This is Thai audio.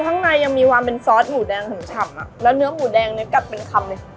ข้างในยังมีความเป็นซอสหมูแดงฉ่ำอ่ะแล้วเนื้อหมูแดงเนื้อกัดเป็นคำเลย